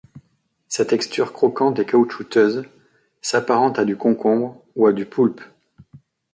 Sa texture croquante et caoutchouteuse s'apparente à du concombre ou à du poulpe.